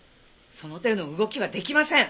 その手の動きはできません！